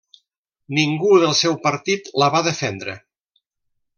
Ningú del seu partit la va defendre.